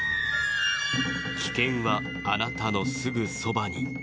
危険はあなたのすぐそばに。